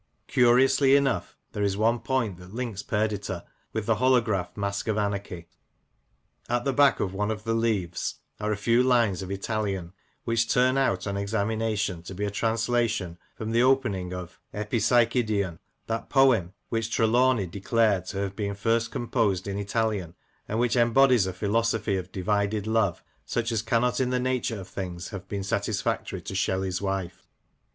Curiously enough, there is one point that links Perdita with the holograph Mask of Anarchy. At the back of one of the leaves are a few lines of Italian, which turn out, on examination, to be a translation from the open ing of Epipsychidion, that poem which Trelawney de clared to have been first composed in Italian, and which embodies a philosophy of divided love, such as cannot in the nature of things have been satisfactory to Shelley's wife.